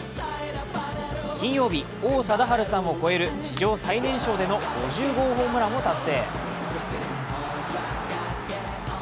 金曜日、王貞治さんを超える史上最年少での５０号ホームランを達成。